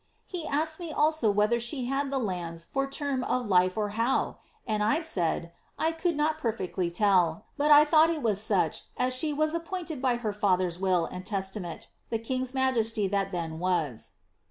He asked me also whether she had the lands for term of life or how } and I said, I could not perfectly tell, but I thought it was such as she was appointed by her father's will and testament, the king's niaj(*!<ty that then was."